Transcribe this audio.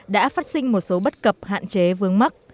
đã phát sinh một số bất cập hạn chế vương mắc